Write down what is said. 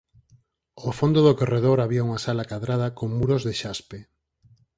Ó fondo do corredor había unha sala cadrada con muros de xaspe.